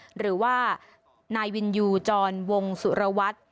หรือว่านายวินยูจรวงสุรวัตร